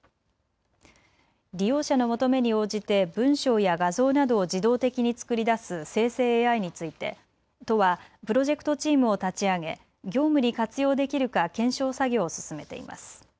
利用者の求めに応じて文章や画像などを自動的に作り出す生成ＡＩについて都はプロジェクトチームを立ち上げ業務に活用できるか検証作業を進めています。